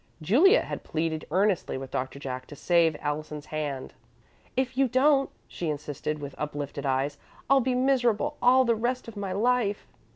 Juliet had pleaded earnestly with Doctor Jack to save Allison's hand. "If you don't," she said, with uplifted eyes, "I'll be miserable all the rest of my life."